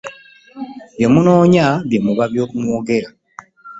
Nga munoonua bye muba mwogera .